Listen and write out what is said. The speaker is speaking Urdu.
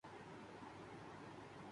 ڈرامہ باغی کا اختتام تنازعے کے ساتھ